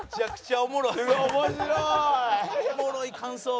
おもろい感想文。